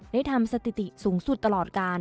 ได้ทำสถิติสูงสุดตลอดการ